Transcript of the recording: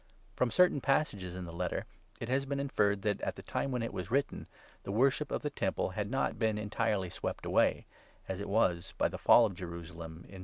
From certain passages in the Letter it has been inferred that, at the time when it was written, the worship of the Temple had not been entirely swept away, as it was by the fall of Jerusalem in 70 A.